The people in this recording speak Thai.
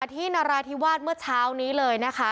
นราธิวาสเมื่อเช้านี้เลยนะคะ